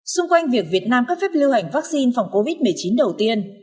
xung quanh việc việt nam có phép lưu hành vắc xin phòng covid một mươi chín đầu tiên